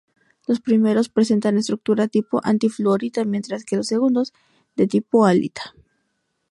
Los primeros presentan estructura tipo anti-fluorita mientras que los segundos de tipo halita.